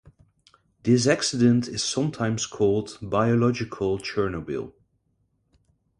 This accident is sometimes called "biological Chernobyl".